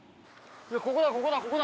ここだここだ